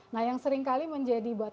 nah yang seringkali menjadi